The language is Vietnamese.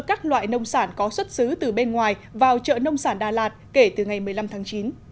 các loại nông sản có xuất xứ từ bên ngoài vào chợ nông sản đà lạt kể từ ngày một mươi năm tháng chín